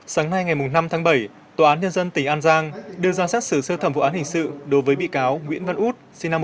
sáng nay ngày năm tháng bảy tòa án nhân dân tỉnh an giang đưa ra xét xử sơ thẩm vụ án hình sự đối với bị cáo nguyễn văn út sinh năm một nghìn chín trăm tám mươi